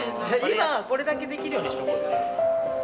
今これだけできるようにしとこう。